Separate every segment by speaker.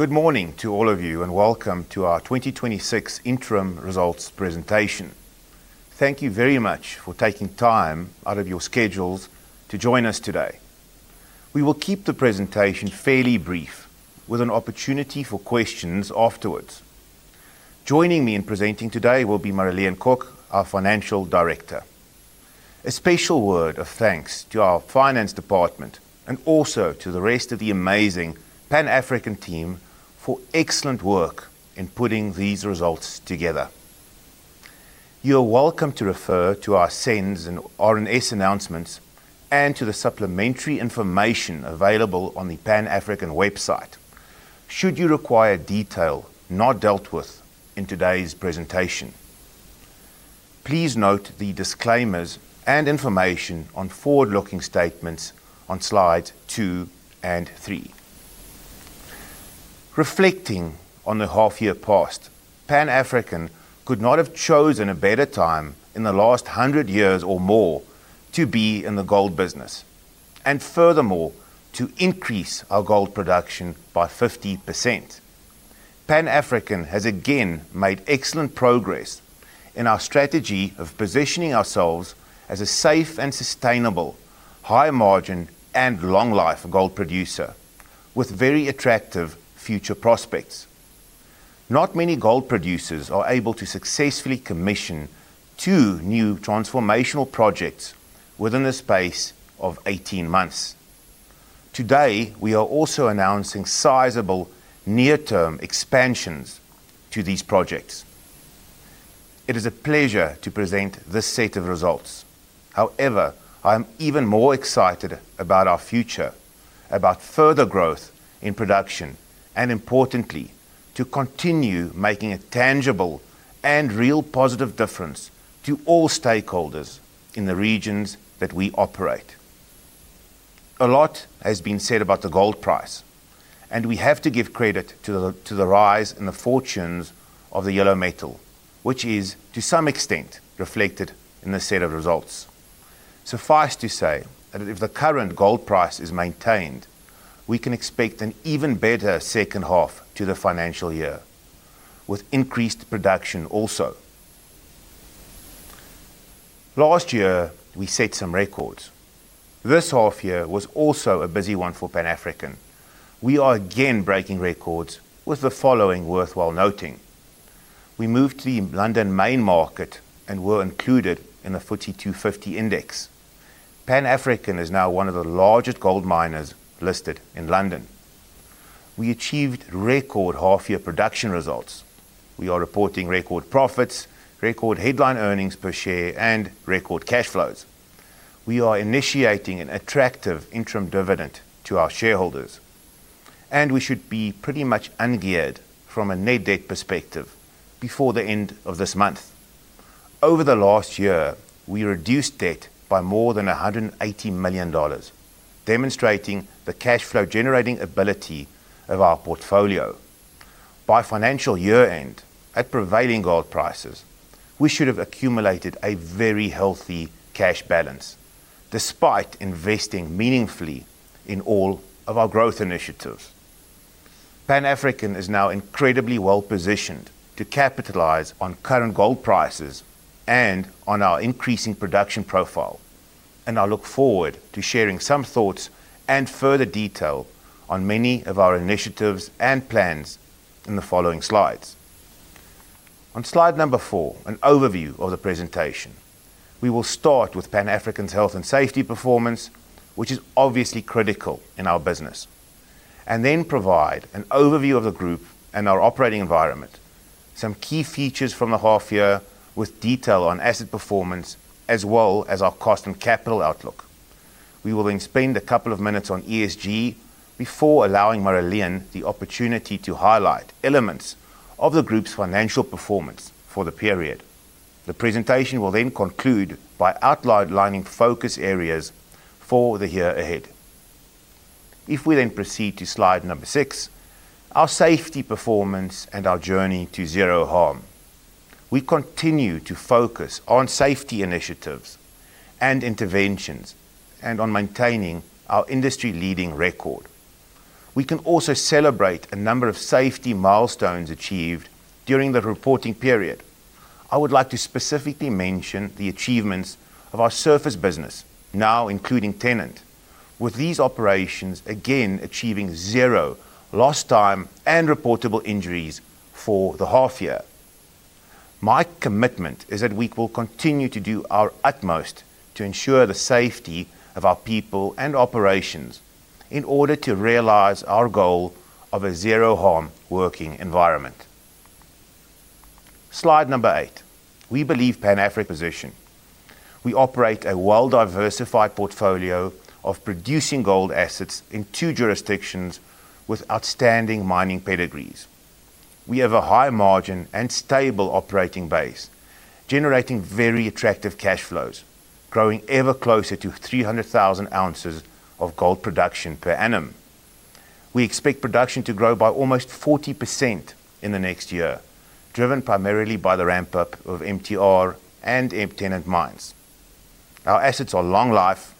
Speaker 1: Good morning to all of you, and welcome to our 2026 Interim Results Presentation. Thank you very much for taking time out of your schedules to join us today. We will keep the presentation fairly brief, with an opportunity for questions afterwards. Joining me in presenting today will be Marileen Kok, our Financial Director. A special word of thanks to our finance department and also to the rest of the amazing Pan African team for excellent work in putting these results together. You are welcome to refer to our SENS and RNS announcements and to the supplementary information available on the Pan African website should you require detail not dealt with in today's presentation. Please note the disclaimers and information on forward-looking statements on slides two and three. Reflecting on the half year past, Pan African could not have chosen a better time in the last 100 years or more to be in the gold business, and furthermore, to increase our gold production by 50%. Pan African has again made excellent progress in our strategy of positioning ourselves as a safe and sustainable, high-margin, and long-life gold producer with very attractive future prospects. Not many gold producers are able to successfully commission two new transformational projects within the space of 18 months. Today, we are also announcing sizable near-term expansions to these projects. It is a pleasure to present this set of results. However, I am even more excited about our future, about further growth in production, and importantly, to continue making a tangible and real positive difference to all stakeholders in the regions that we operate. A lot has been said about the gold price, and we have to give credit to the rise in the fortunes of the yellow metal, which is, to some extent, reflected in the set of results. Suffice to say that if the current gold price is maintained, we can expect an even better second half to the financial year, with increased production also. Last year, we set some records. This half-year was also a busy one for Pan African. We are again breaking records with the following worth noting. We moved to the London main market and were included in the FTSE 250 index. Pan African is now one of the largest gold miners listed in London. We achieved record half-year production results. We are reporting record profits, record headline earnings per share, and record cash flows. We are initiating an attractive interim dividend to our shareholders, and we should be pretty much ungeared from a net debt perspective before the end of this month. Over the last year, we reduced debt by more than $180 million, demonstrating the cash flow-generating ability of our portfolio. By financial year-end, at prevailing gold prices, we should have accumulated a very healthy cash balance, despite investing meaningfully in all of our growth initiatives. Pan African is now incredibly well-positioned to capitalize on current gold prices and on our increasing production profile, and I look forward to sharing some thoughts and further detail on many of our initiatives and plans in the following slides. On slide number four, an overview of the presentation. We will start with Pan African's Health and Safety performance, which is obviously critical in our business, and then provide an overview of the group and our operating environment, some key features from the half year with detail on asset performance, as well as our cost and capital outlook. We will then spend a couple of minutes on ESG before allowing Marileen the opportunity to highlight elements of the group's financial performance for the period. The presentation will then conclude by outlining focus areas for the year ahead. If we then proceed to slide 6, our safety performance and our journey to zero harm. We continue to focus on safety initiatives and interventions and on maintaining our industry-leading record. We can also celebrate a number of safety milestones achieved during the reporting period. I would like to specifically mention the achievements of our surface business, now including Tennant, with these operations again achieving zero lost time and reportable injuries for the half year. My commitment is that we will continue to do our utmost to ensure the safety of our people and operations in order to realize our goal of a zero-harm working environment. Slide eight. We believe Pan African position. We operate a well-diversified portfolio of producing gold assets in two jurisdictions with outstanding mining pedigrees. We have a high margin and stable operating base, generating very attractive cash flows, growing ever closer to 300,000 ounces of gold production per annum. We expect production to grow by almost 40% in the next year, driven primarily by the ramp-up of MTR and Tennant Mines. Our assets are long-life,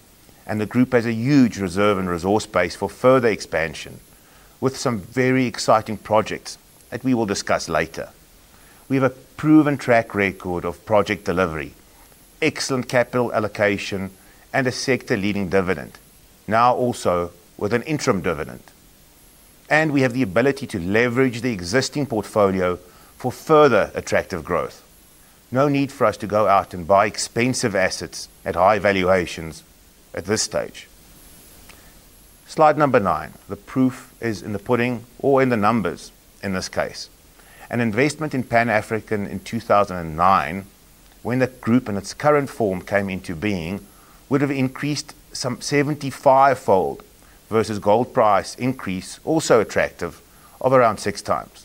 Speaker 1: and the group has a huge reserve and resource base for further expansion, with some very exciting projects that we will discuss later. We have a proven track record of project delivery, excellent capital allocation, and a sector-leading dividend, now also with an interim dividend. We have the ability to leverage the existing portfolio for further attractive growth. No need for us to go out and buy expensive assets at high valuations at this stage. Slide number nine, the proof is in the pudding or in the numbers, in this case. An investment in Pan African in 2009, when the group in its current form came into being, would have increased some 75-fold versus gold price increase, also attractive, of around 6x.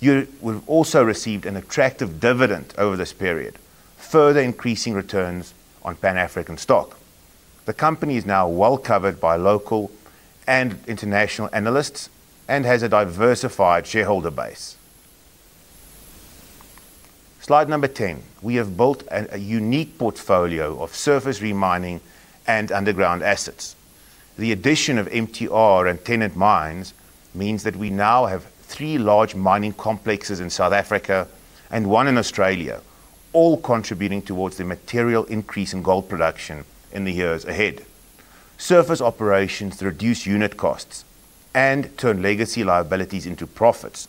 Speaker 1: You would have also received an attractive dividend over this period, further increasing returns on Pan African stock. The company is now well-covered by local and international analysts and has a diversified shareholder base. Slide number 10. We have built a unique portfolio of surface remining and underground assets. The addition of MTR and Tennant Mines means that we now have three large mining complexes in South Africa and one in Australia, all contributing towards the material increase in gold production in the years ahead. Surface operations reduce unit costs and turn legacy liabilities into profits,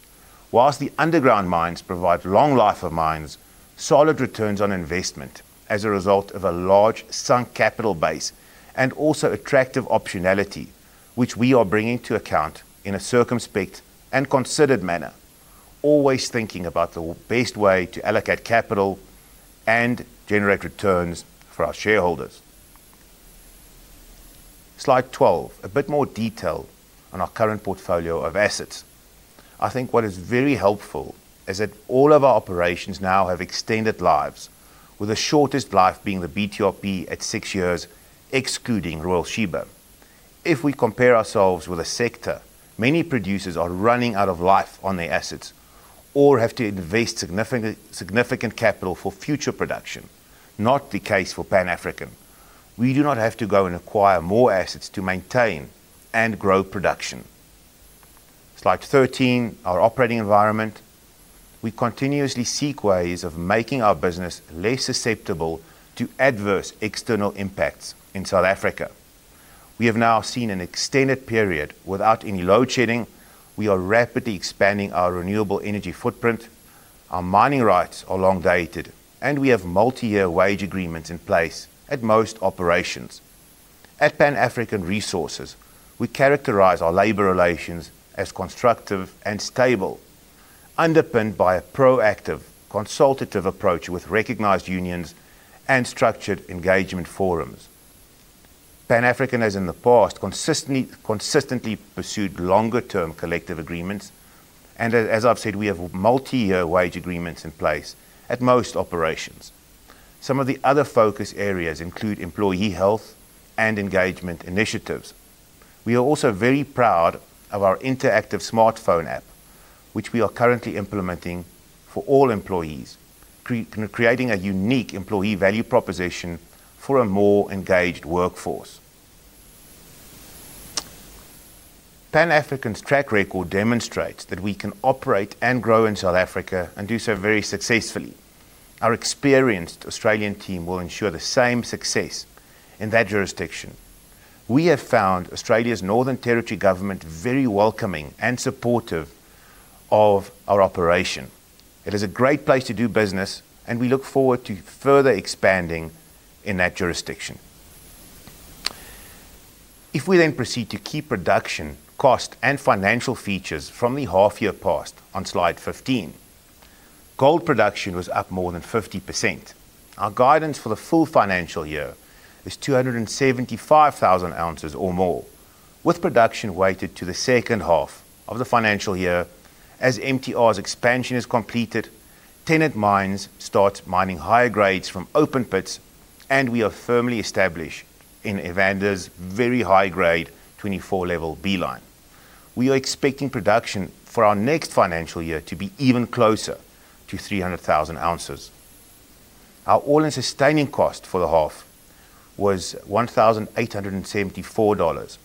Speaker 1: while the underground mines provide long life of mines, solid returns on investment as a result of a large sunk capital base, and also attractive optionality, which we are bringing to account in a circumspect and considered manner, always thinking about the best way to allocate capital and generate returns for our shareholders. Slide 12, a bit more detail on our current portfolio of assets. I think what is very helpful is that all of our operations now have extended lives, with the shortest life being the BTRP at 6 years, excluding Royal Sheba. If we compare ourselves with the sector, many producers are running out of life on their assets or have to invest significant, significant capital for future production. Not the case for Pan African. We do not have to go and acquire more assets to maintain and grow production. Slide 13, our operating environment. We continuously seek ways of making our business less susceptible to adverse external impacts in South Africa. We have now seen an extended period without any load shedding, we are rapidly expanding our renewable energy footprint, our mining rights are long-dated, and we have multi-year wage agreements in place at most operations. At Pan African Resources, we characterize our labor relations as constructive and stable, underpinned by a proactive, consultative approach with recognized unions and structured engagement forums. Pan African, as in the past, consistently pursued longer-term collective agreements, and as I've said, we have multi-year wage agreements in place at most operations. Some of the other focus areas include employee health and engagement initiatives. We are also very proud of our interactive smartphone app, which we are currently implementing for all employees, creating a unique employee value proposition for a more engaged workforce. Pan African's track record demonstrates that we can operate and grow in South Africa and do so very successfully. Our experienced Australian team will ensure the same success in that jurisdiction. We have found Australia's Northern Territory government very welcoming and supportive of our operation. It is a great place to do business, and we look forward to further expanding in that jurisdiction. If we then proceed to key production, cost, and financial features from the half year past on slide 15, gold production was up more than 50%. Our guidance for the full financial year is 275,000 ounces or more, with production weighted to the second half of the financial year. As MTR's expansion is completed, Tennant Mines starts mining higher grades from open pits, and we are firmly established in Evander's very high-grade 24 level B line. We are expecting production for our next financial year to be even closer to 300,000 ounces. Our all-in sustaining cost for the half was $1,874,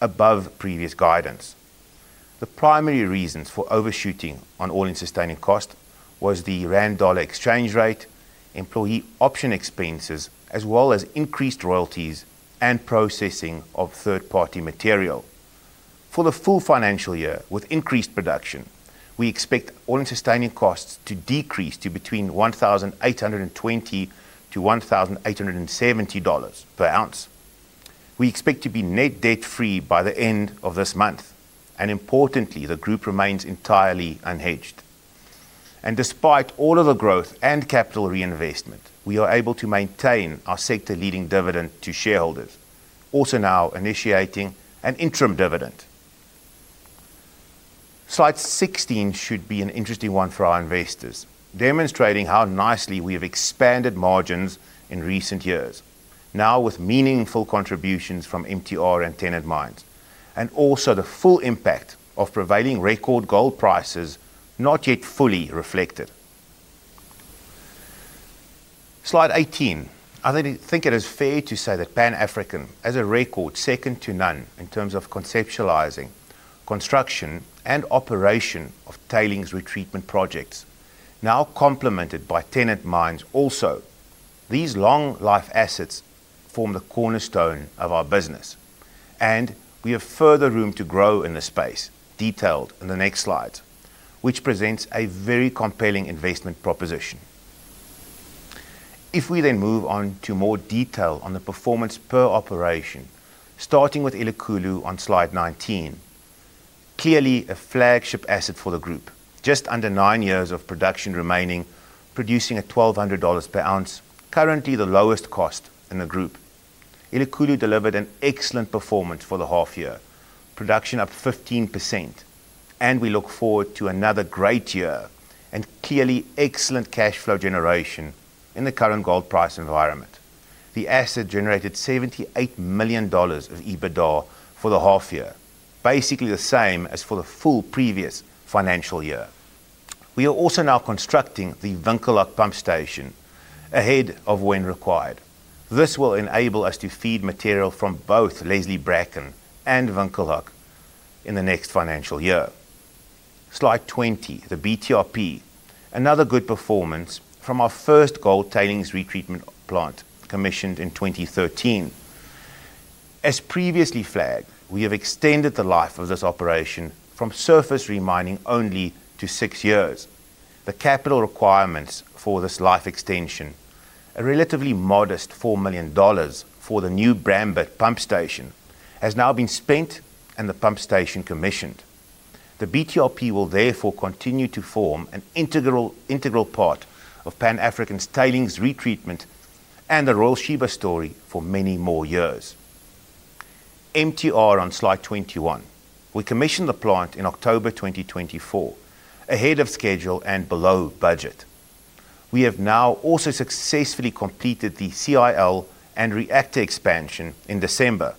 Speaker 1: above previous guidance. The primary reasons for overshooting on all-in sustaining cost was the rand-dollar exchange rate, employee option expenses, as well as increased royalties and processing of third-party material. For the full financial year, with increased production, we expect all-in sustaining costs to decrease to between $1,820-$1,870 per ounce. We expect to be net debt-free by the end of this month, and importantly, the group remains entirely unhedged. Despite all of the growth and capital reinvestment, we are able to maintain our sector-leading dividend to shareholders, also now initiating an interim dividend. Slide 16 should be an interesting one for our investors, demonstrating how nicely we have expanded margins in recent years, now with meaningful contributions from MTR and Tennant Mines, and also the full impact of prevailing record gold prices not yet fully reflected. Slide 18. I think it is fair to say that Pan African has a record second to none in terms of conceptualizing, construction, and operation of tailings retreatment projects, now complemented by Tennant Mines also. These long life assets form the cornerstone of our business, and we have further room to grow in this space, detailed in the next slide, which presents a very compelling investment proposition. If we then move on to more detail on the performance per operation, starting with Elikhulu on slide 19, clearly a flagship asset for the group. Just under 9 years of production remaining, producing at $1,200 per ounce, currently the lowest cost in the group. Elikhulu delivered an excellent performance for the half year, production up 15%, and we look forward to another great year and clearly excellent cash flow generation in the current gold price environment. The asset generated $78 million of EBITDA for the half year, basically the same as for the full previous financial year. We are also now constructing the Winkelhaak pump station ahead of when required. This will enable us to feed material from both Leslie/Bracken and Winkelhaak in the next financial year. Slide 20, the BTRP, another good performance from our first gold tailings retreatment plant, commissioned in 2013. As previously flagged, we have extended the life of this operation from surface remining only to six years. The capital requirements for this life extension, a relatively modest $4 million for the new Bramber pump station, has now been spent and the pump station commissioned. The BTRP will therefore continue to form an integral part of Pan African's tailings retreatment and the Royal Sheba story for many more years. MTR on slide 21. We commissioned the plant in October 2024, ahead of schedule and below budget. We have now also successfully completed the CIL and reactor expansion in December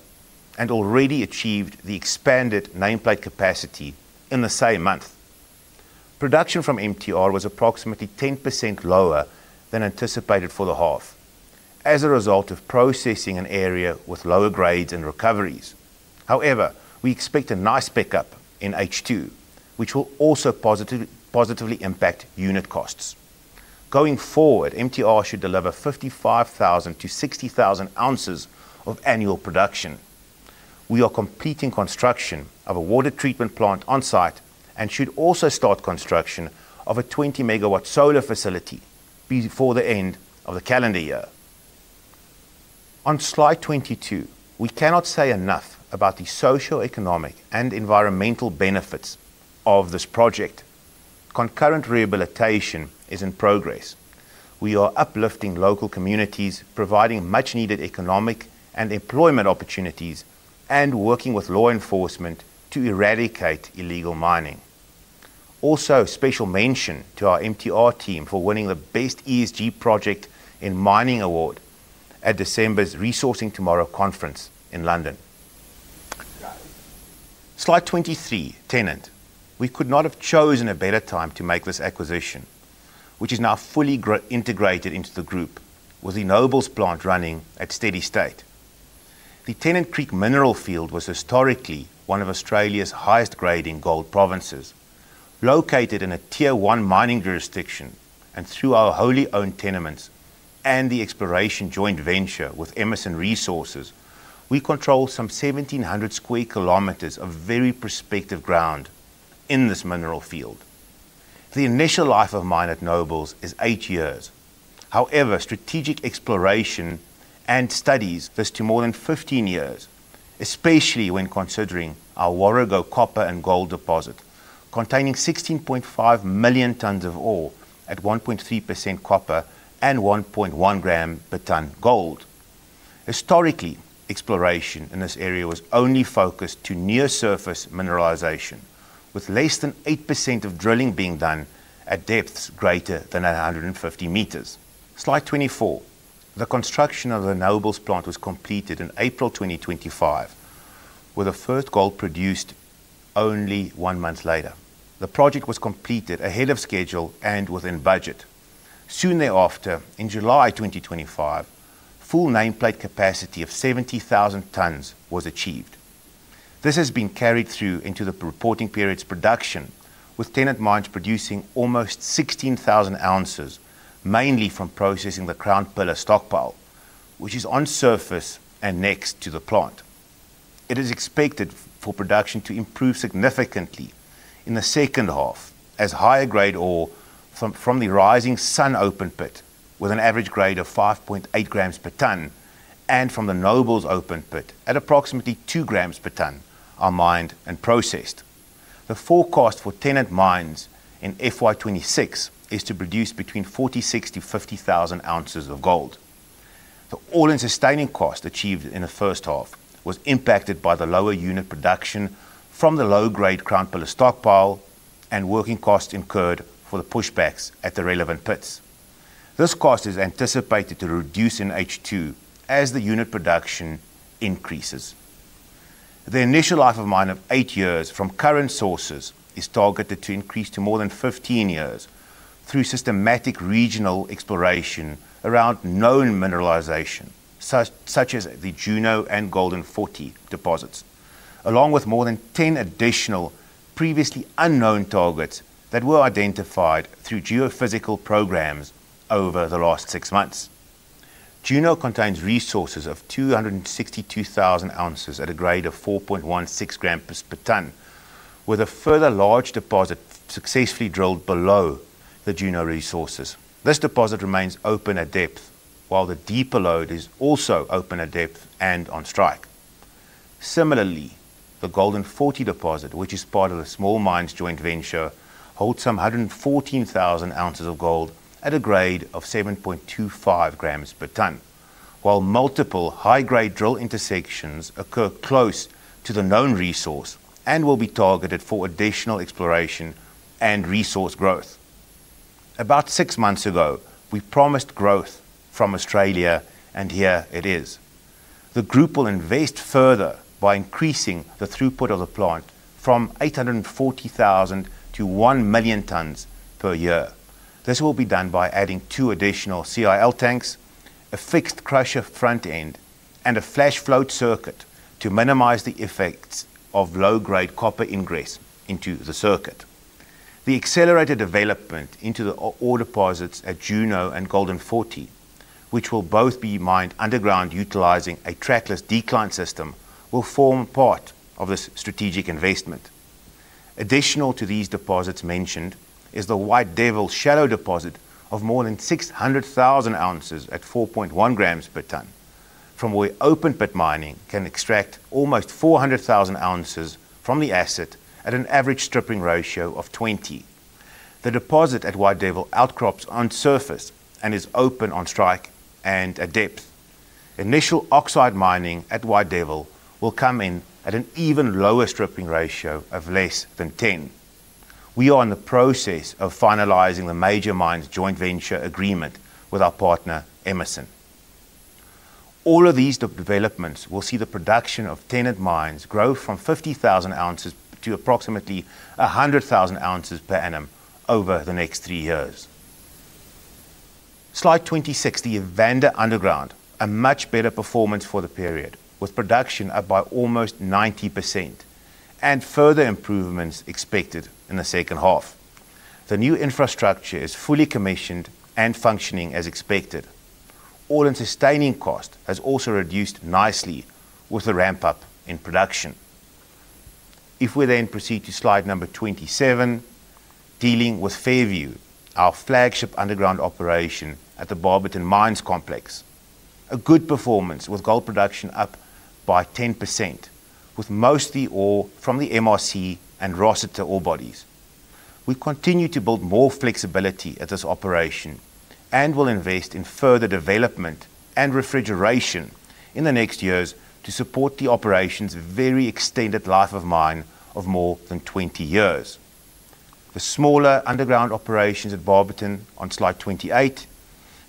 Speaker 1: and already achieved the expanded nameplate capacity in the same month. Production from MTR was approximately 10% lower than anticipated for the half, as a result of processing an area with lower grades and recoveries. However, we expect a nice pick up in H2, which will also positively impact unit costs. Going forward, MTR should deliver 55,000-60,000 ounces of annual production. We are completing construction of a water treatment plant on site and should also start construction of a 20-megawatt solar facility before the end of the calendar year. On slide 22, we cannot say enough about the social, economic, and environmental benefits of this project. Concurrent rehabilitation is in progress. We are uplifting local communities, providing much needed economic and employment opportunities, and working with law enforcement to eradicate illegal mining. Also, special mention to our MTR team for winning the Best ESG Project in Mining award at December's Resourcing Tomorrow conference in London. Slide 23, Tennant. We could not have chosen a better time to make this acquisition, which is now fully integrated into the group, with the Nobles plant running at steady state. The Tennant Creek mineral field was historically one of Australia's highest-grade gold provinces. Located in a Tier 1 mining jurisdiction and through our wholly owned tenements and the exploration joint venture with Emerson Resources, we control some 1,700 square kilometers of very prospective ground in this mineral field. The initial life of mine at Nobles is eight years. However, strategic exploration and studies, this to more than 15 years, especially when considering our Warrego copper and gold deposit, containing 16.5 million tons of ore at 1.3% copper and 1.1 grams per ton gold. Historically, exploration in this area was only focused to near-surface mineralization, with less than 8% of drilling being done at depths greater than 150 meters. Slide 24. The construction of the Nobles plant was completed in April 2025, with the first gold produced only one month later. The project was completed ahead of schedule and within budget. Soon thereafter, in July 2025, full nameplate capacity of 70,000 tons was achieved. This has been carried through into the reporting period's production, with Tennant Mines producing almost 16,000 ounces, mainly from processing the Crown Pillar stockpile, which is on surface and next to the plant. It is expected for production to improve significantly in the second half as higher-grade ore from the Rising Sun open pit, with an average grade of 5.8 grams per ton, and from the Nobles open pit, at approximately 2 grams per ton, are mined and processed. The forecast for Tennant Mines in FY26 is to produce between 46,000-50,000 ounces of gold. The all-in sustaining cost achieved in the first half was impacted by the lower unit production from the low-grade Crown Pillar stockpile and working costs incurred for the pushbacks at the relevant pits. This cost is anticipated to reduce in H2 as the unit production increases. The initial life of mine of 8 years from current sources is targeted to increase to more than 15 years through systematic regional exploration around known mineralization, such as the Juno and Golden Forty deposits, along with more than 10 additional previously unknown targets that were identified through geophysical programs over the last 6 months. Juno contains resources of 262,000 ounces at a grade of 4.16 grams per ton, with a further large deposit successfully drilled below the Juno resources. This deposit remains open at depth, while the deeper lode is also open at depth and on strike. Similarly, the Golden Forty deposit, which is part of the small mines joint venture, holds 114,000 ounces of gold at a grade of 7.25 grams per ton, while multiple high-grade drill intersections occur close to the known resource and will be targeted for additional exploration and resource growth. About six months ago, we promised growth from Australia, and here it is. The group will invest further by increasing the throughput of the plant from 840,000 to 1,000,000 tons per year. This will be done by adding two additional CIL tanks, a fixed crusher front end, and a flash float circuit to minimize the effects of low-grade copper ingress into the circuit. The accelerated development into the ore deposits at Juno and Golden Forty, which will both be mined underground utilizing a trackless decline system, will form part of this strategic investment. Additional to these deposits mentioned is the White Devil shallow deposit of more than 600,000 ounces at 4.1 grams per ton, from where open pit mining can extract almost 400,000 ounces from the asset at an average stripping ratio of 20. The deposit at White Devil outcrops on surface and is open on strike and at depth. Initial oxide mining at White Devil will come in at an even lower stripping ratio of less than 10. We are in the process of finalizing the major mines joint venture agreement with our partner, Emerson. All of these developments will see the production of Tennant Mines grow from 50,000 ounces to approximately 100,000 ounces per annum over the next 3 years. Slide 26, the Evander Underground, a much better performance for the period, with production up by almost 90% and further improvements expected in the second half. The new infrastructure is fully commissioned and functioning as expected. All-In Sustaining Cost has also reduced nicely with the ramp-up in production. If we then proceed to slide number 27, dealing with Fairview, our flagship underground operation at the Barberton Mines Complex. A good performance with gold production up by 10%, with mostly ore from the MRC and Rossiter ore bodies. We continue to build more flexibility at this operation and will invest in further development and refrigeration in the next years to support the operation's very extended life of mine of more than 20 years. The smaller underground operations at Barberton on slide 28.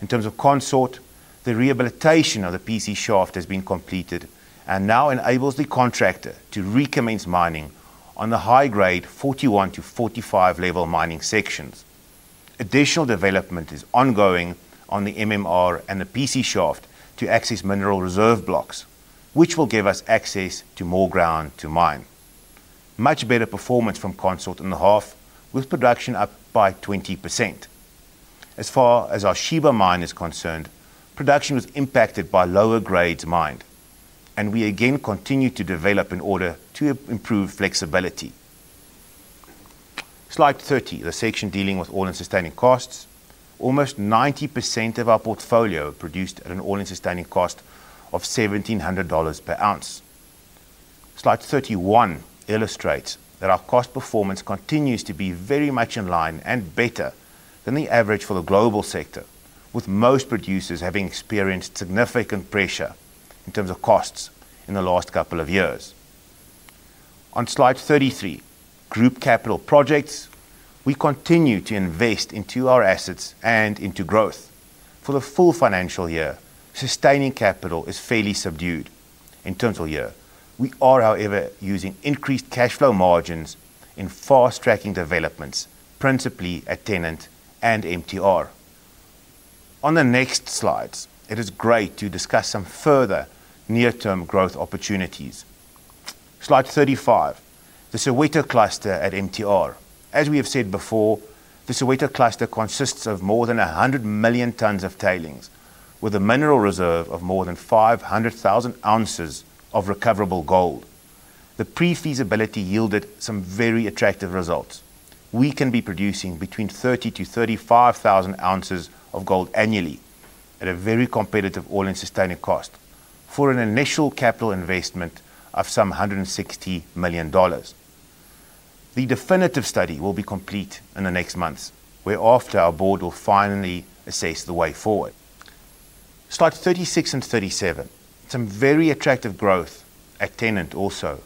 Speaker 1: In terms of Consort, the rehabilitation of the PC Shaft has been completed and now enables the contractor to recommence mining on the high-grade 41 to 45-level mining sections. Additional development is ongoing on the MMR and the PC Shaft to access mineral reserve blocks, which will give us access to more ground to mine. Much better performance from Consort in the half, with production up by 20%. As far as our Sheba Mine is concerned, production was impacted by lower grades mined, and we again continue to develop in order to improve flexibility. Slide 30, the section dealing with all-in sustaining costs. Almost 90% of our portfolio produced at an All-In Sustaining Cost of $1,700 per ounce. Slide 31 illustrates that our cost performance continues to be very much in line and better than the average for the global sector, with most producers having experienced significant pressure in terms of costs in the last couple of years. On slide 33, group capital projects. We continue to invest into our assets and into growth. For the full financial year, sustaining capital is fairly subdued. In terms of year, we are, however, using increased cash flow margins in fast-tracking developments, principally at Tennant and MTR. On the next slides, it is great to discuss some further near-term growth opportunities. Slide 35, the Soweto Cluster at MTR. As we have said before, the Soweto Cluster consists of more than 100 million tons of tailings, with a mineral reserve of more than 500,000 ounces of recoverable gold. The pre-feasibility yielded some very attractive results. We can be producing between 30,000-35,000 ounces of gold annually at a very competitive All-In Sustaining Cost for an initial capital investment of some $160 million. The definitive study will be complete in the next months, whereafter our board will finally assess the way forward. Slides 36 and 37, some very attractive growth at Tennant also.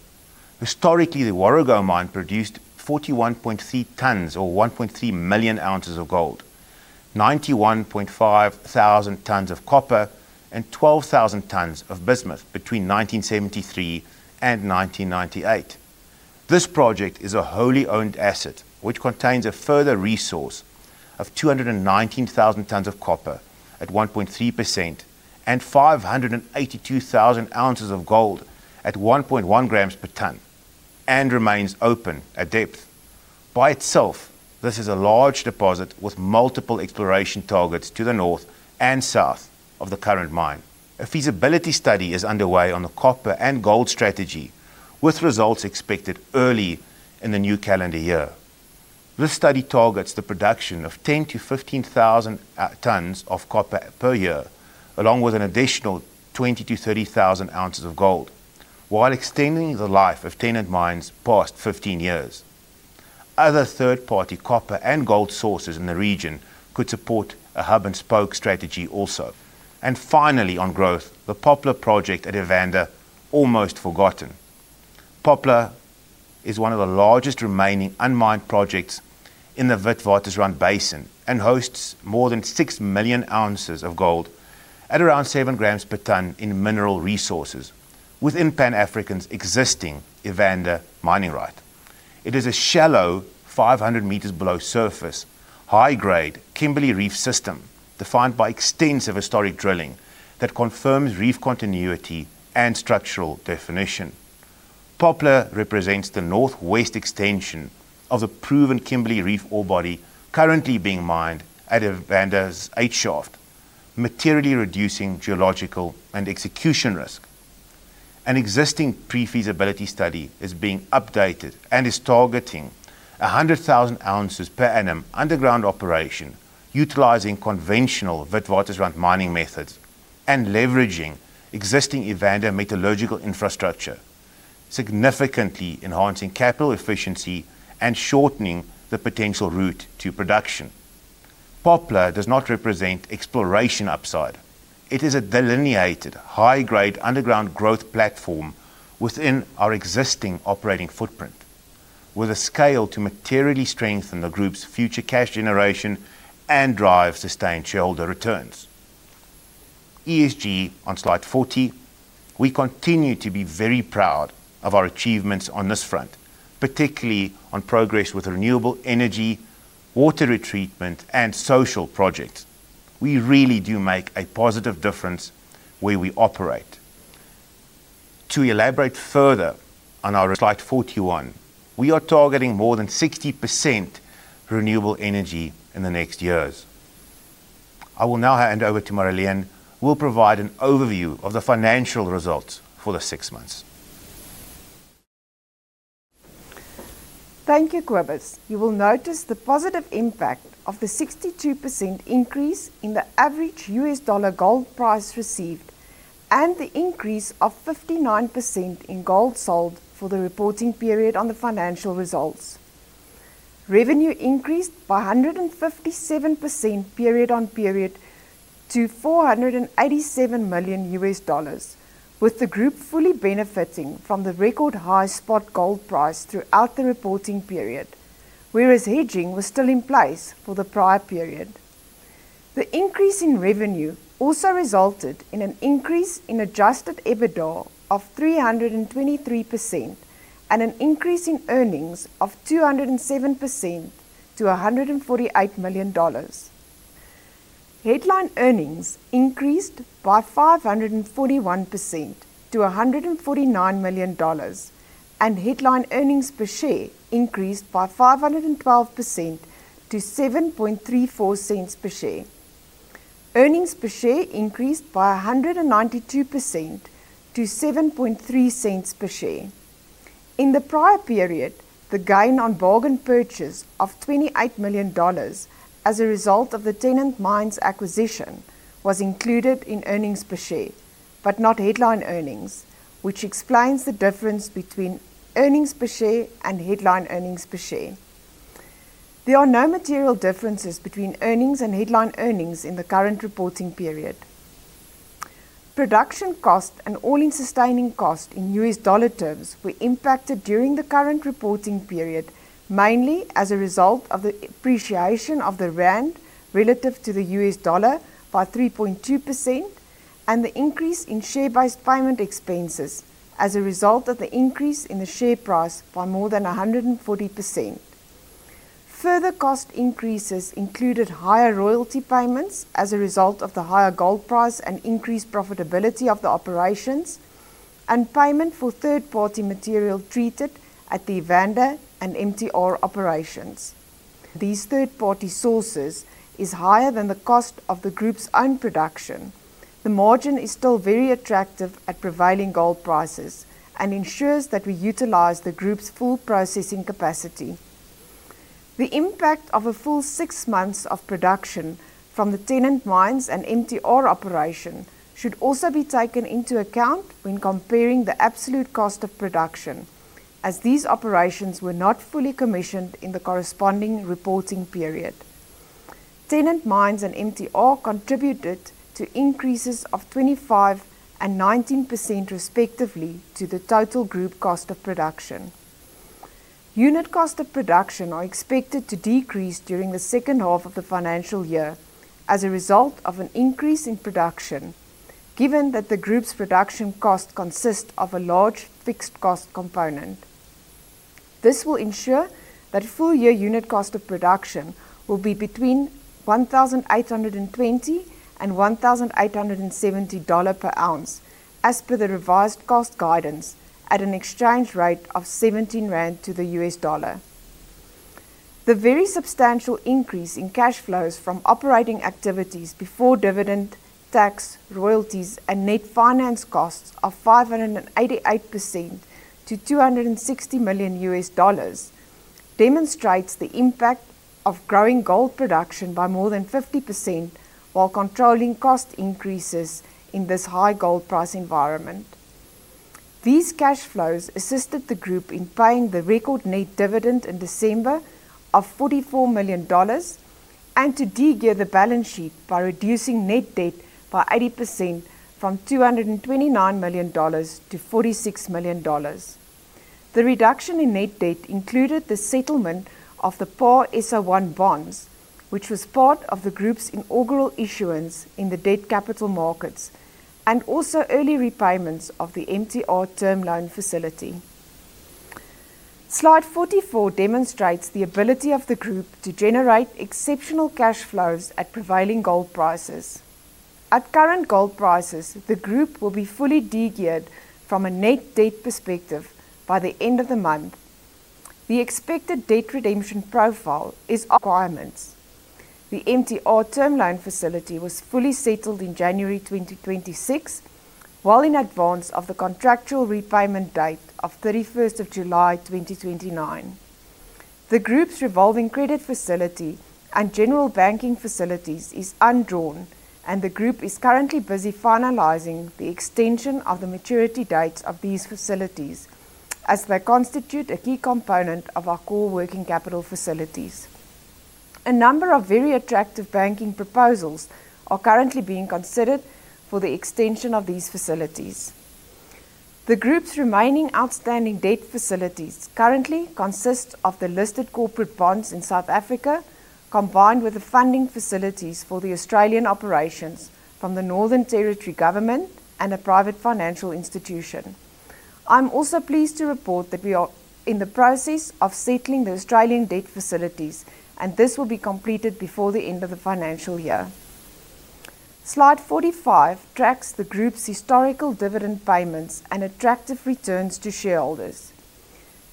Speaker 1: Historically, the Warrego Mine produced 41.3 tons, or 1.3 million ounces of gold, 91,500 tons of copper, and 12,000 tons of bismuth between 1973 and 1998. This project is a wholly-owned asset, which contains a further resource of 219,000 tons of copper at 1.3%, and 582,000 ounces of gold at 1.1 grams per ton, and remains open at depth. By itself, this is a large deposit with multiple exploration targets to the north and south of the current mine. A feasibility study is underway on the copper and gold strategy, with results expected early in the new calendar year. This study targets the production of 10,000-15,000 tons of copper per year, along with an additional 20,000-30,000 ounces of gold, while extending the life of Tennant Mines past 15 years. Other third-party copper and gold sources in the region could support a hub and spoke strategy also. And finally, on growth, the Poplar project at Evander, almost forgotten. Poplar is one of the largest remaining unmined projects in the Witwatersrand Basin and hosts more than 6 million ounces of gold at around 7 grams per ton in mineral resources within Pan African's existing Evander mining right. It is a shallow, 500 meters below surface, high-grade Kimberley Reef system, defined by extensive historic drilling that confirms reef continuity and structural definition. Poplar represents the northwest extension of the proven Kimberley Reef ore body currently being mined at Evander's 8 Shaft, materially reducing geological and execution risk. An existing pre-feasibility study is being updated and is targeting 100,000 ounces per annum underground operation, utilizing conventional Witwatersrand mining methods and leveraging existing Evander metallurgical infrastructure, significantly enhancing capital efficiency and shortening the potential route to production. Poplar does not represent exploration upside. It is a delineated high-grade underground growth platform within our existing operating footprint, with a scale to materially strengthen the group's future cash generation and drive sustained shareholder returns. ESG on slide 40. We continue to be very proud of our achievements on this front, particularly on progress with renewable energy, water retreatment, and social projects. We really do make a positive difference where we operate. To elaborate further on our slide 41, we are targeting more than 60% renewable energy in the next years. I will now hand over to Marileen, who will provide an overview of the financial results for the six months.
Speaker 2: Thank you, Cobus. You will notice the positive impact of the 62% increase in the average US dollar gold price received and the increase of 59% in gold sold for the reporting period on the financial results. Revenue increased by 157% period-on-period to $487 million, with the group fully benefiting from the record high spot gold price throughout the reporting period, whereas hedging was still in place for the prior period. The increase in revenue also resulted in an increase in adjusted EBITDA of 323% and an increase in earnings of 207% to $148 million. Headline Earnings Per Share increased by 541% to $149 million, and Headline Earnings Per Share increased by 512% to $0.0734 per share. Earnings per share increased by 192% to $0.073 per share. In the prior period, the gain on bargain purchase of $28 million as a result of the Tennant Mines acquisition was included in earnings per share, but not headline earnings, which explains the difference between earnings per share and Headline Earnings Per Share. There are no material differences between earnings and headline earnings in the current reporting period. Production cost and all-in sustaining cost in U.S. dollar terms were impacted during the current reporting period, mainly as a result of the appreciation of the rand relative to the U.S. dollar by 3.2% and the increase in share-based payment expenses as a result of the increase in the share price by more than 140%. Further cost increases included higher royalty payments as a result of the higher gold price and increased profitability of the operations and payment for third-party material treated at the Evander and MTR operations. These third-party sources is higher than the cost of the group's own production. The margin is still very attractive at prevailing gold prices and ensures that we utilize the group's full processing capacity. The impact of a full six months of production from the Tennant Mines and MTR operation should also be taken into account when comparing the absolute cost of production, as these operations were not fully commissioned in the corresponding reporting period. Tennant Mines and MTR contributed to increases of 25% and 19% respectively to the total group cost of production. Unit cost of production are expected to decrease during the second half of the financial year as a result of an increase in production, given that the group's production cost consists of a large fixed cost component. This will ensure that full year unit cost of production will be between $1,820 and $1,870 per ounce, as per the revised cost guidance at an exchange rate of 17 rand to the US dollar. The very substantial increase in cash flows from operating activities before dividend, tax, royalties, and net finance costs of 588% to $260 million demonstrates the impact of growing gold production by more than 50%, while controlling cost increases in this high gold price environment. These cash flows assisted the group in paying the record net dividend in December of $44 million and to de-gear the balance sheet by reducing net debt by 80% from $229 million to $46 million. The reduction in net debt included the settlement of the PAR SR1 bonds, which was part of the group's inaugural issuance in the debt capital markets, and also early repayments of the MTR term loan facility. Slide 44 demonstrates the ability of the group to generate exceptional cash flows at prevailing gold prices. At current gold prices, the group will be fully de-geared from a net debt perspective by the end of the month. The expected debt redemption profile is requirements. The MTR term loan facility was fully settled in January 2026, well in advance of the contractual repayment date of 31st of July 2029. The group's revolving credit facility and general banking facilities is undrawn, and the group is currently busy finalizing the extension of the maturity dates of these facilities, as they constitute a key component of our core working capital facilities. A number of very attractive banking proposals are currently being considered for the extension of these facilities. The group's remaining outstanding debt facilities currently consist of the listed corporate bonds in South Africa, combined with the funding facilities for the Australian operations from the Northern Territory Government and a private financial institution. I'm also pleased to report that we are in the process of settling the Australian debt facilities, and this will be completed before the end of the financial year. Slide 45 tracks the group's historical dividend payments and attractive returns to shareholders.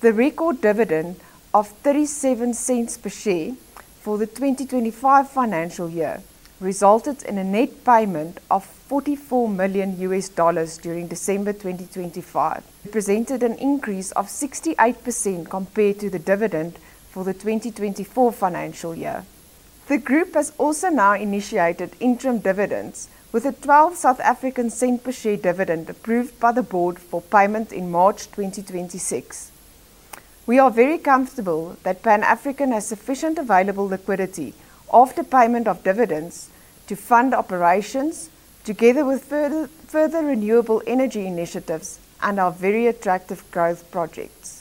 Speaker 2: The record dividend of 37 cents per share for the 2025 financial year resulted in a net payment of $44 million during December 2025. It presented an increase of 68% compared to the dividend for the 2024 financial year. The group has also now initiated interim dividends with a 12 South African cent per share dividend approved by the board for payment in March 2026. We are very comfortable that Pan African has sufficient available liquidity after payment of dividends to fund operations, together with further renewable energy initiatives and our very attractive growth projects.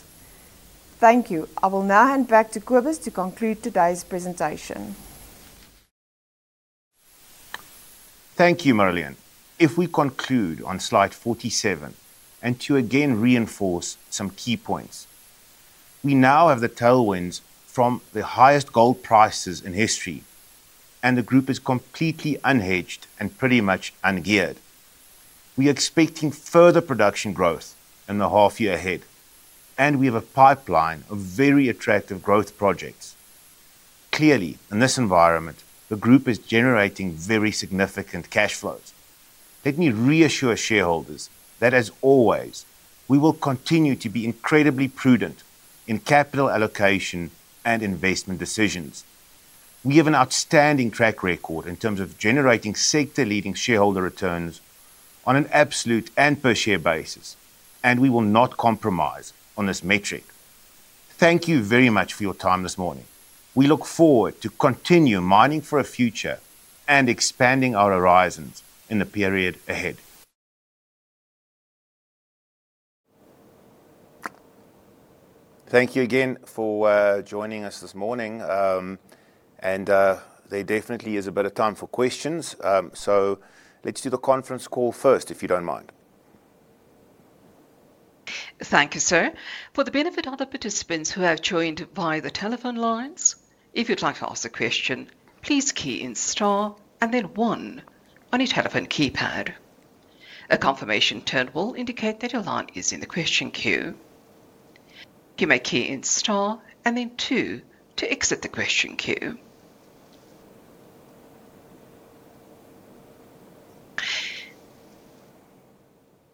Speaker 2: Thank you. I will now hand back to Cobus to conclude today's presentation.
Speaker 1: Thank you, Marileen. If we conclude on slide 47 and to again reinforce some key points, we now have the tailwinds from the highest gold prices in history, and the group is completely unhedged and pretty much ungeared. We are expecting further production growth in the half year ahead, and we have a pipeline of very attractive growth projects. Clearly, in this environment, the group is generating very significant cash flows. Let me reassure shareholders that, as always, we will continue to be incredibly prudent in capital allocation and investment decisions. We have an outstanding track record in terms of generating sector-leading shareholder returns on an absolute and per share basis, and we will not compromise on this metric. Thank you very much for your time this morning. We look forward to continue mining for a future and expanding our horizons in the period ahead. Thank you again for joining us this morning, and there definitely is a bit of time for questions. So let's do the conference call first, if you don't mind.
Speaker 3: Thank you, sir. For the benefit of the participants who have joined via the telephone lines, if you'd like to ask a question, please key in star and then one on your telephone keypad. A confirmation tone will indicate that your line is in the question queue. You may key in star and then two to exit the question queue.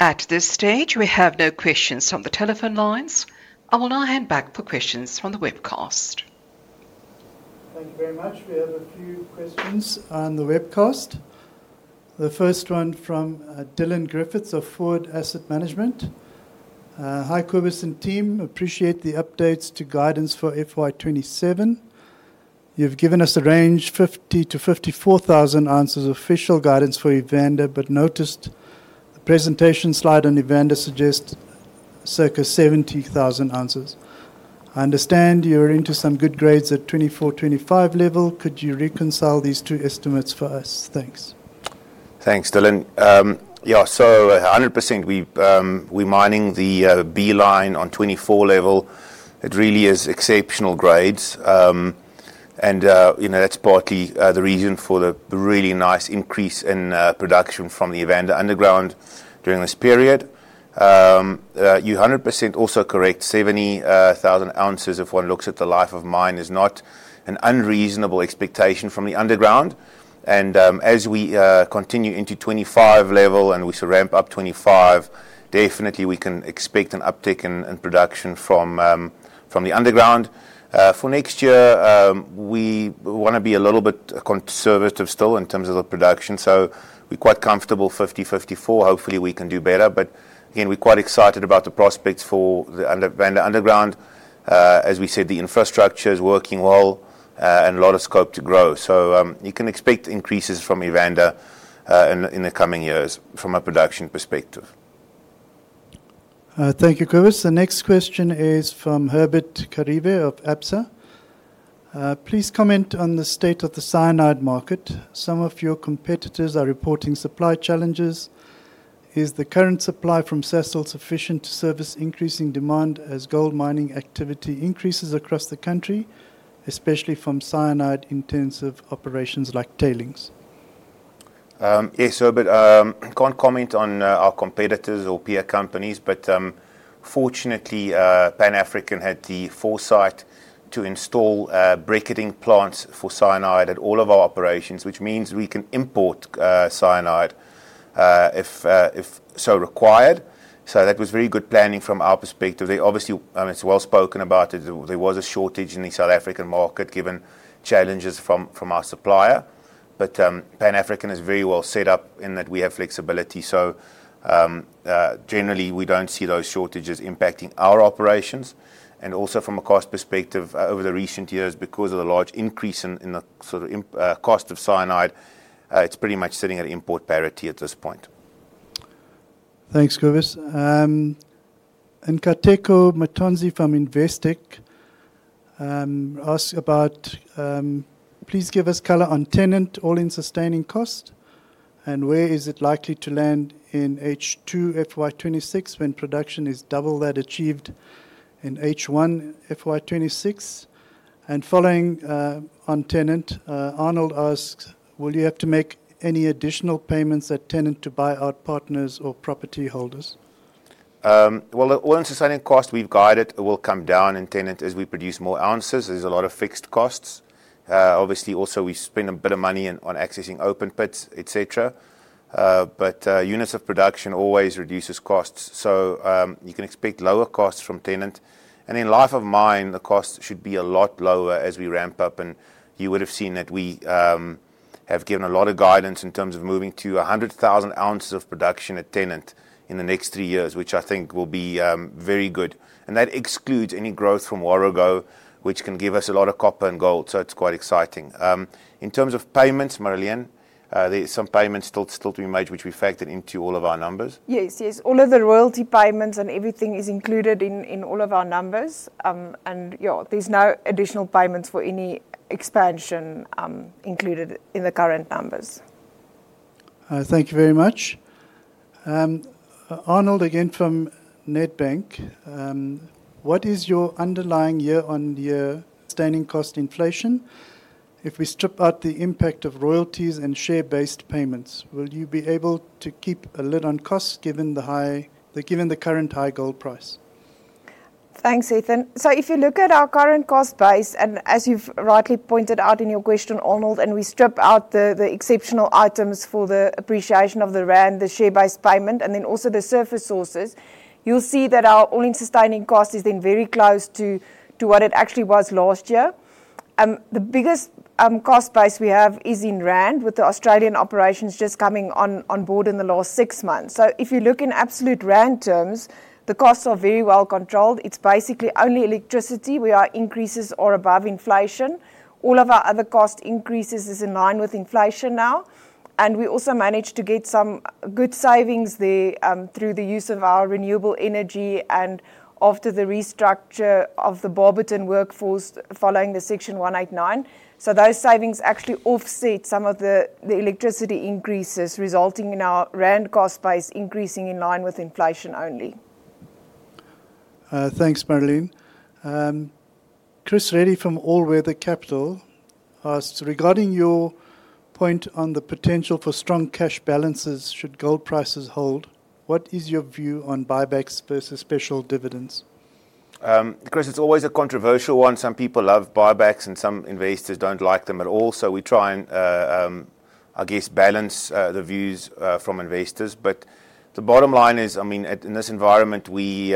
Speaker 3: At this stage, we have no questions on the telephone lines. I will now hand back for questions from the webcast.
Speaker 4: Thank you very much. We have a few questions on the webcast. The first one from Dylan Griffiths of Foord Asset Management. "Hi, Cobus and team. Appreciate the updates to guidance for FY 2027. You've given us a range, 50-54,000 ounces official guidance for Evander, but noticed the presentation slide on Evander suggests circa 70,000 ounces. I understand you're into some good grades at 24-25 level. Could you reconcile these two estimates for us? Thanks.
Speaker 1: Thanks, Dylan. Yeah, so 100%, we've, we're mining the B line on 24 level. It really is exceptional grades. And, you know, that's partly the reason for the really nice increase in production from the Evander Underground during this period. You're 100% also correct, 70,000 ounces, if one looks at the life of mine, is not an unreasonable expectation from the underground. And, as we continue into 25 level, and we should ramp up 25, definitely we can expect an uptick in production from the underground. For next year, we wanna be a little bit conservative still in terms of the production, so we're quite comfortable 50-54. Hopefully, we can do better, but again, we're quite excited about the prospects for the Evander Underground. As we said, the infrastructure is working well, and a lot of scope to grow. So, you can expect increases from Evander, in the coming years from a production perspective.
Speaker 4: Thank you, Cobus. The next question is from Herbert Kharivhe of Absa. "Please comment on the state of the cyanide market. Some of your competitors are reporting supply challenges. Is the current supply from Sasol sufficient to service increasing demand as gold mining activity increases across the country, especially from cyanide-intensive operations like tailings?
Speaker 1: Yeah, so, but can't comment on our competitors or peer companies, but fortunately, Pan African had the foresight to install briquetting plants for cyanide at all of our operations, which means we can import cyanide if so required. So that was very good planning from our perspective. Obviously, it's well spoken about it. There was a shortage in the South African market, given challenges from our supplier, but Pan African is very well set up in that we have flexibility. So generally, we don't see those shortages impacting our operations, and also from a cost perspective, over the recent years, because of the large increase in the sort of import cost of cyanide, it's pretty much sitting at import parity at this point.
Speaker 4: Thanks, Cobus. And Nkateko Mathonsi from Investec asks about, "Please give us color on Tennant All-In Sustaining Cost, and where is it likely to land in H2 FY 2026 when production is double that achieved in H1 FY 2026?" And following on Tennant, Arnold asks: "Will you have to make any additional payments at Tennant to buy out partners or property holders?
Speaker 1: Well, all-in sustaining cost, we've guided it will come down in Tennant as we produce more ounces. There's a lot of fixed costs. Obviously, also we spend a bit of money on accessing open pits, et cetera. Units of production always reduces costs. You can expect lower costs from Tennant, and in life of mine, the cost should be a lot lower as we ramp up, and you would have seen that we have given a lot of guidance in terms of moving to 100,000 ounces of production at Tennant in the next three years, which I think will be very good. That excludes any growth from Warrego, which can give us a lot of copper and gold, so it's quite exciting. In terms of payments, Marileen, there are some payments still to be made, which we factored into all of our numbers.
Speaker 2: Yes, all of the royalty payments and everything is included in all of our numbers. There's no additional payments for any expansion included in the current numbers.
Speaker 4: Thank you very much. Arnold, again, from Nedbank: "What is your underlying year-on-year standing cost inflation if we strip out the impact of royalties and share-based payments? Will you be able to keep a lid on costs, given the current high gold price?
Speaker 2: Thanks, Ethan. So if you look at our current cost base, and as you've rightly pointed out in your question, Arnold, and we strip out the exceptional items for the appreciation of the rand, the share-based payment, and then also the surface sources, you'll see that our All-In Sustaining Cost is then very close to what it actually was last year. The biggest cost base we have is in rand, with the Australian operations just coming on board in the last six months. So if you look in absolute rand terms, the costs are very well controlled. It's basically only electricity, where our increases are above inflation. All of our other cost increases is in line with inflation now, and we also managed to get some good savings there, through the use of our renewable energy and after the restructure of the Barberton workforce, following the Section 189. So those savings actually offset some of the electricity increases, resulting in our rand cost base increasing in line with inflation only.
Speaker 4: Thanks, Marileen. Chris Reddy from All Weather Capital asks: "Regarding your point on the potential for strong cash balances, should gold prices hold, what is your view on buybacks versus special dividends?
Speaker 1: Chris, it's always a controversial one. Some people love buybacks, and some investors don't like them at all. So we try and I guess balance the views from investors. But the bottom line is, in this environment, we,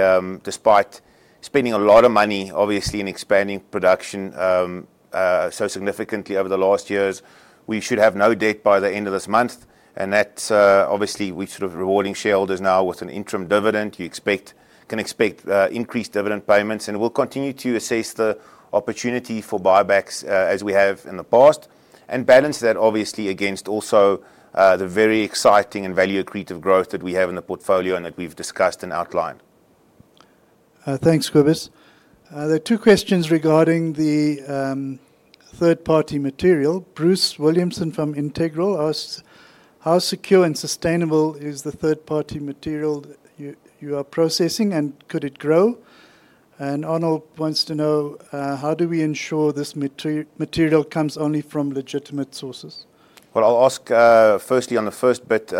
Speaker 1: despite spending a lot of money, obviously, in expanding production, so significantly over the last years, we should have no debt by the end of this month. And that's, obviously, we're sort of rewarding shareholders now with an interim dividend. You can expect increased dividend payments, and we'll continue to assess the opportunity for buybacks, as we have in the past, and balance that obviously against also the very exciting and value-accretive growth that we have in the portfolio and that we've discussed and outlined.
Speaker 4: Thanks, Cobus. There are two questions regarding the third-party material. Bruce Williamson from Integral asks: "How secure and sustainable is the third-party material you are processing, and could it grow?" And Arnold wants to know, "How do we ensure this material comes only from legitimate sources?
Speaker 1: Well, I'll ask, firstly on the first bit,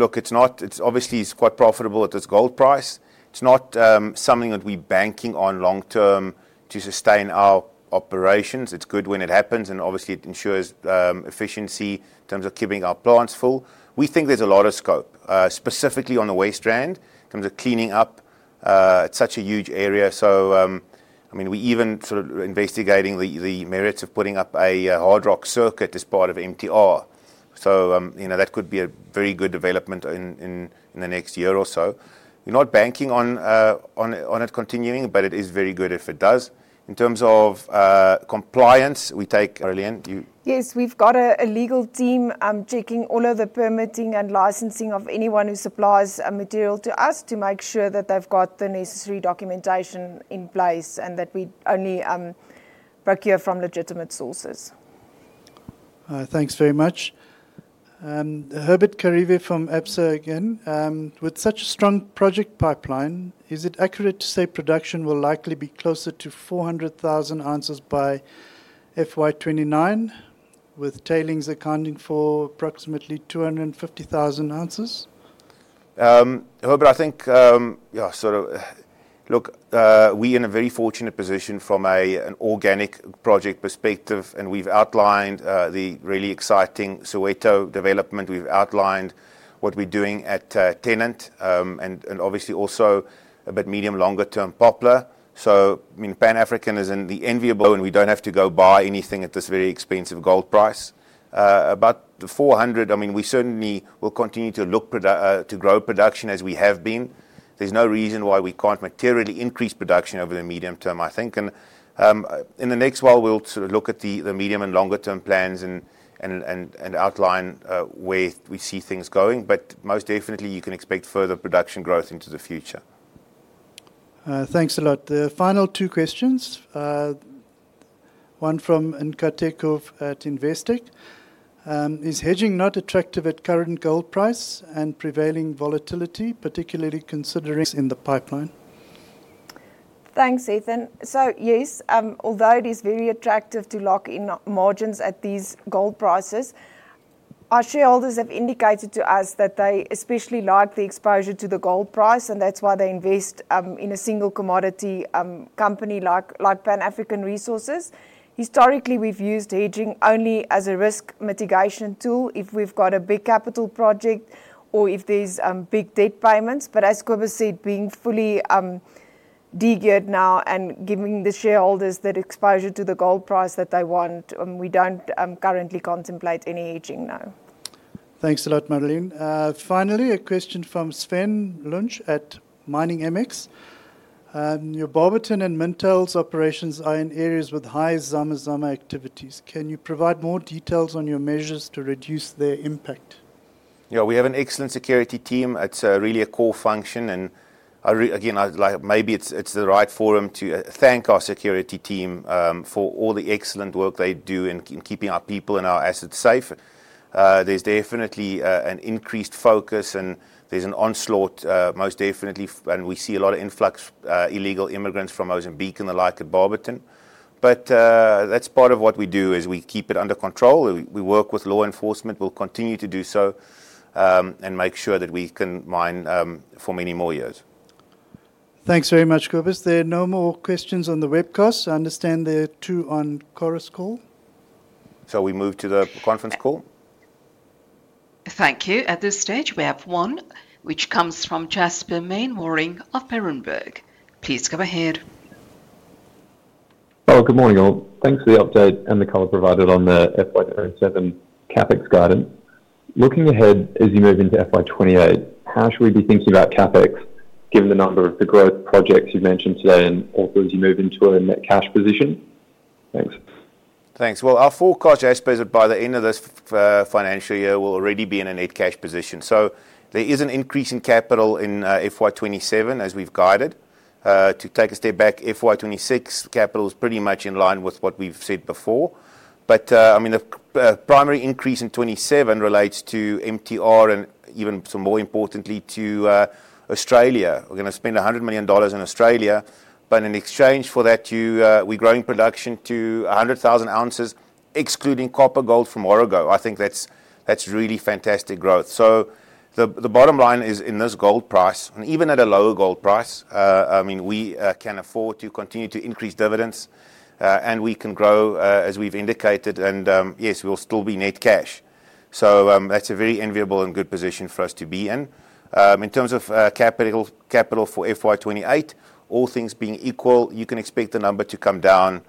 Speaker 1: look, it's not. It's obviously, it's quite profitable at this gold price. It's not something that we're banking on long term to sustain our operations. It's good when it happens, and obviously, it ensures efficiency in terms of keeping our plants full. We think there's a lot of scope, specifically on the West Rand, in terms of cleaning up such a huge area. So, I mean, we're even sort of investigating the merits of putting up a hard rock circuit as part of MTR. So, you know, that could be a very good development in the next year or so. We're not banking on it continuing, but it is very good if it does. In terms of compliance.
Speaker 2: Yes, we've got a legal team checking all of the permitting and licensing of anyone who supplies material to us to make sure that they've got the necessary documentation in place and that we only procure from legitimate sources.
Speaker 4: Thanks very much. Herbert Kharivhe from Absa again: "With such a strong project pipeline, is it accurate to say production will likely be closer to 400,000 ounces by FY 2029, with tailings accounting for approximately 250,000 ounces?
Speaker 1: Herbert, I think, yeah, sort of. Look, we're in a very fortunate position from an organic project perspective, and we've outlined the really exciting Soweto development, we've outlined what we're doing at Tennant, and obviously also about medium longer-term Poplar. So, I mean, Pan African is in the enviable, and we don't have to go buy anything at this very expensive gold price. About the $400, I mean, we certainly will continue to look to grow production as we have been. There's no reason why we can't materially increase production over the medium term, I think. In the next while, we'll sort of look at the medium and longer-term plans and outline where we see things going. But most definitely, you can expect further production growth into the future.
Speaker 4: Thanks a lot. The final two questions, one from Nkateko at Investec. "Is hedging not attractive at current gold price and prevailing volatility, particularly considering in the pipeline?
Speaker 2: Thanks, Ethan. So yes, although it is very attractive to lock in margins at these gold prices, our shareholders have indicated to us that they especially like the exposure to the gold price, and that's why they invest in a single commodity company like Pan African Resources. Historically, we've used hedging only as a risk mitigation tool if we've got a big capital project or if there's big debt payments. But as Kobus said, being fully de-geared now and giving the shareholders that exposure to the gold price that they want, we don't currently contemplate any hedging now.
Speaker 4: Thanks a lot, Marileen. Finally, a question from Sven Lünsche at MiningMX. "Your Barberton and Mintails operations are in areas with high zama zama activities. Can you provide more details on your measures to reduce their impact?
Speaker 1: Yeah, we have an excellent security team. It's really a core function, and again, I'd like—maybe it's the right forum to thank our security team for all the excellent work they do in keeping our people and our assets safe. There's definitely an increased focus, and there's an onslaught most definitely, and we see a lot of influx illegal immigrants from Mozambique and the like at Barberton. But that's part of what we do, is we keep it under control. We work with law enforcement. We'll continue to do so, and make sure that we can mine for many more years.
Speaker 4: Thanks very much, Kobus. There are no more questions on the webcast. I understand there are two on Chorus Call.
Speaker 1: Shall we move to the conference call?
Speaker 3: Thank you. At this stage, we have one, which comes from Jasper Mainwaring of Berenberg. Please go ahead.
Speaker 5: Oh, good morning, all. Thanks for the update and the color provided on the FY 2027 CapEx guidance. Looking ahead as you move into FY 2028, how should we be thinking about CapEx, given the number of growth projects you've mentioned today, and also as you move into a net cash position? Thanks.
Speaker 1: Thanks. Well, our full cash, I suppose, by the end of this financial year, we'll already be in a net cash position. So there is an increase in capital in FY 2027, as we've guided. To take a step back, FY 2026 capital is pretty much in line with what we've said before. But I mean, the primary increase in 2027 relates to MTR and even so more importantly, to Australia. We're gonna spend $100 million in Australia, but in exchange for that, we're growing production to 100,000 ounces, excluding copper gold from Origo. I think that's really fantastic growth. So the bottom line is, in this gold price, and even at a lower gold price, I mean, we can afford to continue to increase dividends, and we can grow, as we've indicated, and, yes, we'll still be net cash. So, that's a very enviable and good position for us to be in. In terms of capital for FY 2028, all things being equal, you can expect the number to come down.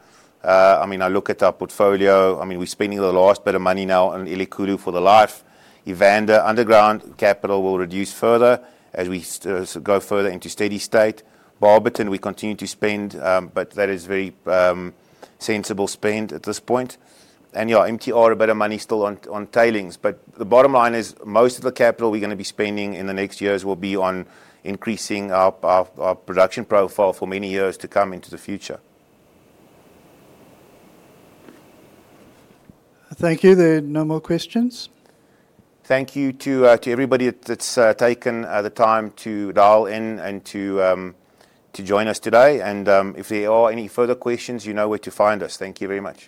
Speaker 1: I mean, I look at our portfolio, I mean, we're spending the last bit of money now on Elikhulu for the life. Evander underground capital will reduce further as we go further into steady state. Barberton, we continue to spend, but that is very sensible spend at this point. And, yeah, MTR, a bit of money still on tailings. The bottom line is, most of the capital we're gonna be spending in the next years will be on increasing our production profile for many years to come into the future.
Speaker 4: Thank you. There are no more questions.
Speaker 1: Thank you to everybody that's taken the time to dial in and to join us today. If there are any further questions, you know where to find us. Thank you very much.